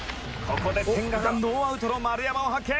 「ここで、千賀がノーアウトの丸山を発見」